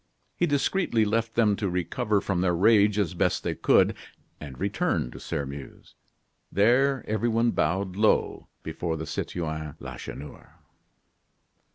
He discreetly left them to recover from their rage as best they could, and returned to Sairmeuse. There everyone bowed low before Citoyen Lacheneur.